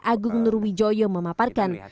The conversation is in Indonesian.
agung nurwijoyo memaparkan